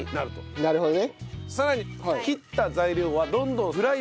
なるほどね。